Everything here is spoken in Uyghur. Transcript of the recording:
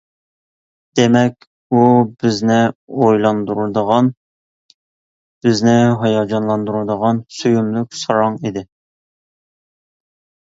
دېمەك، ئۇ بىزنى ئويلاندۇرىدىغان، بىزنى ھاياجانلاندۇرىدىغان «سۆيۈملۈك ساراڭ» ئىدى.